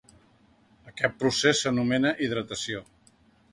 Aquest procés s'anomena hidratació.